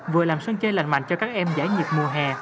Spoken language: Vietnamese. vừa làm sân chơi lành mạnh cho các em giải nhiệt mùa hè